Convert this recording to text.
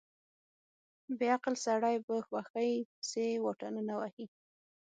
بې عقل سړی په خوښۍ پسې واټنونه وهي.